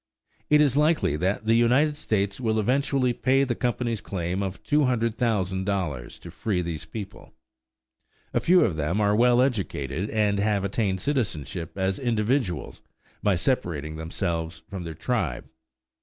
It is likely that the United States will eventually pay the company's claim of $200,000 to free these people. A few of them are well educated and have attained citizenship as individuals by separating themselves from their tribe.